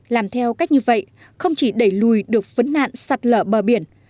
làm theo cách như vậy không chỉ đẩy lùi được vấn nạn sạt lở bờ biển